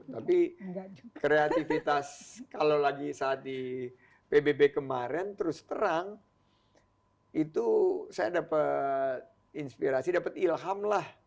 tapi kreatifitas kalau lagi saat di pbb kemarin terus terang itu saya dapat inspirasi dapat ilham lah